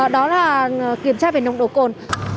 đó là kiểm tra về nồng độ cồn